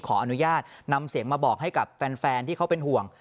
ขออนุญาตนำเสียงมาบอกให้กับแฟนที่เขาเป็นห่วง